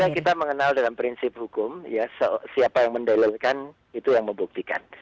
ya saya kira kita mengenal dalam prinsip hukum siapa yang mendelilkan itu yang membuktikan